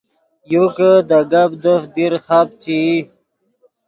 یو کہ دے گپ دیفت دیر خپ چے ای